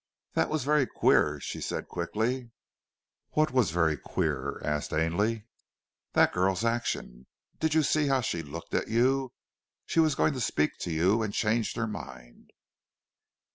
"That was very queer!" she said quickly. "What was very queer?" asked Ainley. "That girl's action. Did you see how she looked at you? She was going to speak to you and changed her mind."